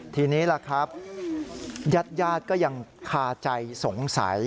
ทีนี้ล่ะครับญาติก็ยังคาใจสงสัย